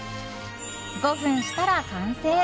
５分したら完成！